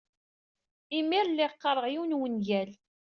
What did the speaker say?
Imir lliɣ qqareɣ yiwen wungal.